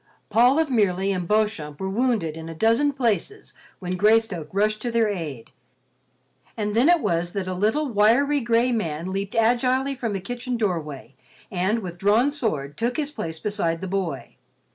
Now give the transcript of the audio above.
Paul of Merely and Beauchamp were wounded in a dozen places when Greystoke rushed to their aid, and then it was that a little, wiry, gray man leaped agilely from the kitchen doorway, and with drawn sword took his place beside the boy.